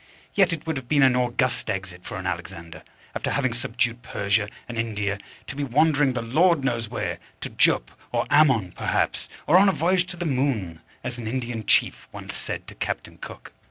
Yet it would have been an august exit for an Alexander, after having subdued Persia and India, to be wandering the Lord knows where, to Jup or Ammon, perhaps, or on a voyage to the moon, as an Indian chief once said to Captain Cook.